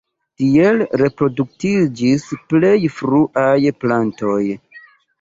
Tiel reproduktiĝis plej fruaj plantoj.